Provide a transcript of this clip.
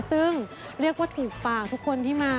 ซึ่งเรียกว่าถูกปากทุกคนที่มา